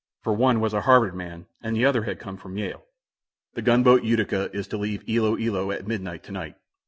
For one was a Harvard man, and the other had come from Yale. "The gunboat Utica is to leave Ilo Ilo at midnight, tonight.